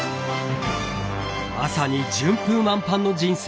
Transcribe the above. まさに順風満帆の人生。